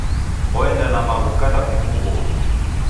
Oenda na maghu kanda kufungua.